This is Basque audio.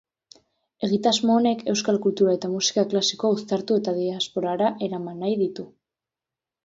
Egitasmo honek euskal kultura eta musika klasikoa uztartu eta diasporara eraman nahi ditu.